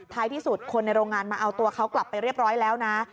ที่สุดคนในโรงงานมาเอาตัวเขากลับไปเรียบร้อยแล้วนะ